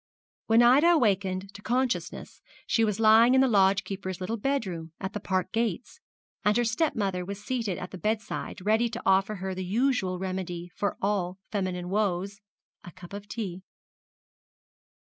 When Ida awakened to consciousness she was lying in the lodge keeper's little bedroom at the Park gates, and her stepmother was seated at the bedside ready to offer her the usual remedy for all feminine woes a cup of tea.